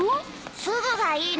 すぐがいいの！